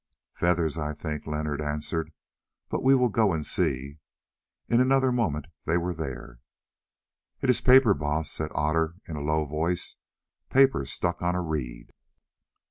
"Feathers, I think," Leonard answered, "but we will go and see." In another moment they were there. "It is paper, Baas," said Otter in a low voice, "paper stuck on a reed."